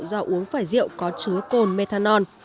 do uống phải rượu có chứa cồn methanol